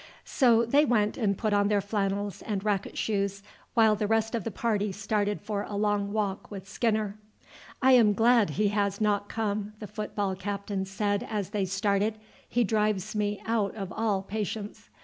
So they went and put on their flannels and racket shoes, while the rest of the party started for a long walk with Skinner. "I am glad he has not come," the football captain said as they started; "he drives me out of all patience."